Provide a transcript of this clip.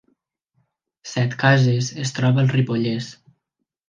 Setcases es troba al Ripollès